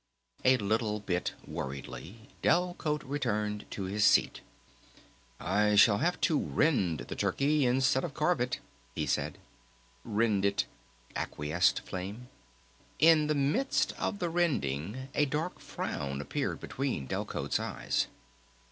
A little bit worriedly Delcote returned to his seat. "I shall have to rend the turkey, instead of carve it," he said. "Rend it," acquiesced Flame. In the midst of the rending a dark frown appeared between Delcote's eyes.